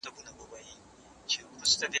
کېدای سي مېوې خرابې وي!؟